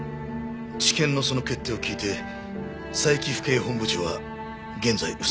地検のその決定を聞いて佐伯府警本部長は現在臥せっております。